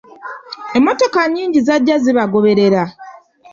Emmotoka nnyingi zajja zibagoberera.